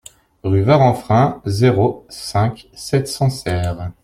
Rue Varanfrain, zéro cinq, sept cents Serres